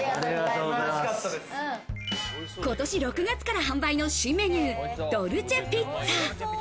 今年６月から販売の新メニュー、ドルチェ・ピッツァ。